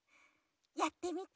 やってみて？